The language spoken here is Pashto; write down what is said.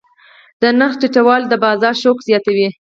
د نرخ ټیټوالی د بازار شوق زیاتوي.